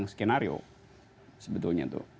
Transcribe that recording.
ini skenario sebetulnya tuh